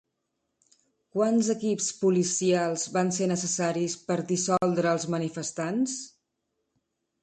Quants equips policials van ser necessaris per dissoldre els manifestants?